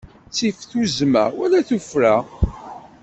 Ttif tuzzma wala tuffra.